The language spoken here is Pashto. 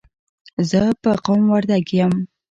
زه په قوم وردګ یم.